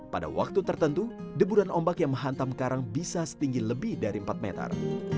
pada waktu tertentu deburan ombak yang menghantam karang bisa setinggi lebih dari empat meter